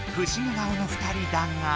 顔の２人だが。